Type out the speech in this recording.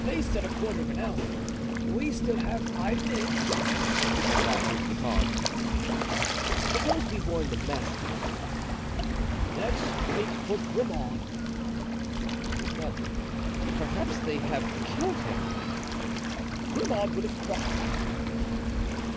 "They said a quarter of an hour. We still have five minutes," replied Mousqueton. "Suppose we warn the masters." "Let's wait for Grimaud." "But perhaps they have killed him." "Grimaud would have cried out."